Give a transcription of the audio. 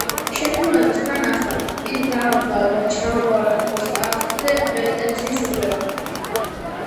შეთქმულების თანახმად, ის დააბრმავეს და ჩამოართვეს ტახტზე პრეტენზიის უფლება.